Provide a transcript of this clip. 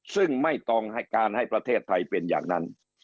ซึ่งไม่ต้องการให้ประเทศไทยเป็นอย่างนั้น